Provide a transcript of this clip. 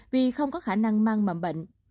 vì không có khả năng mang mầm bệnh